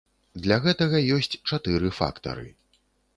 Для гэтага ёсць чатыры фактары.